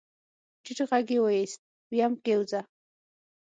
ټيټ غږ يې واېست ويم کېوځه.